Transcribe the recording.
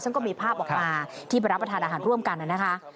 ซึ่งก็มีภาพออกมาที่ไปรับประทานอาหารร่วมกันนะคะ